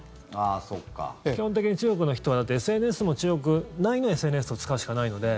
基本的に中国の人はＳＮＳも中国内のＳＮＳを使うしかないので。